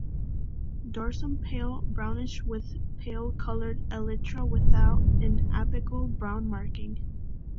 Dorsum pale brownish with pale coloured elytra without an apical brown marking.